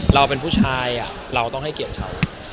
เราเป็นผู้ชายเราต้องให้เกียรติเขา